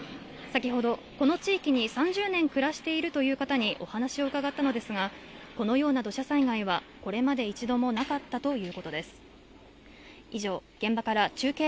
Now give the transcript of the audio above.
先ほどこの地域に３０年暮らしているという方にお話を伺ったのですがこのような土砂災害はこれまで１度もなかったということです